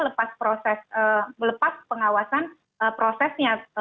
lepas proses lepas pengawasan prosesnya